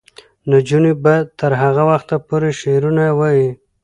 نجونې به تر هغه وخته پورې شعرونه وايي.